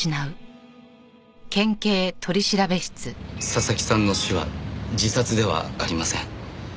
佐々木さんの死は自殺ではありません。